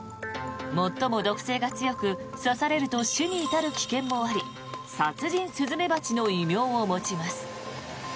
最も毒性が強く刺されると死に至る危険もあり殺人スズメバチの異名を持ちます。